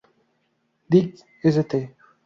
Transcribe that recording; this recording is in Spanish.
Dick St.